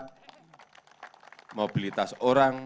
mempercepat mobilitas orang